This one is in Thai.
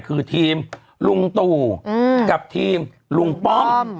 คือทีมลุงตู่กับทีมลุงป้อม